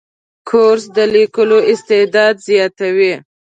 کورس د لیکلو استعداد زیاتوي.